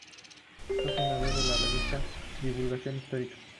Fue fundador de la revista "Divulgación Histórica".